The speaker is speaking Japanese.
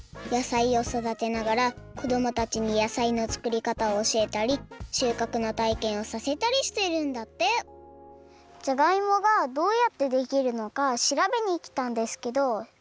やさいをそだてながらこどもたちにやさいの作りかたをおしえたりしゅうかくのたいけんをさせたりしているんだってじゃがいもがどうやってできるのかしらべにきたんですけど。